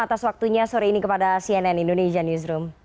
atas waktunya sore ini kepada cnn indonesia newsroom